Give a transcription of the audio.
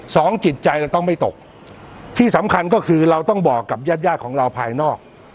สองจิตใจเราต้องไม่ตกที่สำคัญก็คือเราต้องบอกกับญาติญาติของเราภายนอก